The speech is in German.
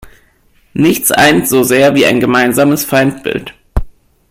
Nichts eint so sehr wie ein gemeinsames Feindbild.